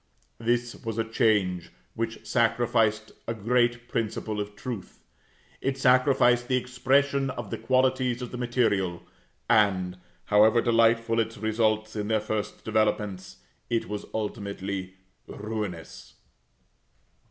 This was a change which sacrificed a great principle of truth; it sacrificed the expression of the qualities of the material; and, however delightful its results in their first developments, it was ultimately ruinous.